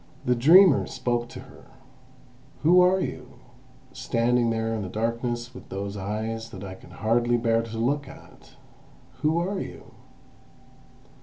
The dreamer spoke to her: "Who are you, standing there in the darkness with those eyes that I can hardly bear to look at? Who are you?"